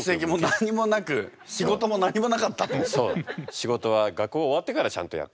仕事は学校が終わってからちゃんとやった。